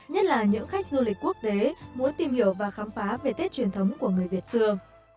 nhất là những khách du lịch quốc tế muốn tìm hiểu và khám phá về tết truyền thống của người việt xưa